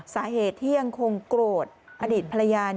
สาเหตุที่ยังคงโกรธอดีตภรรยา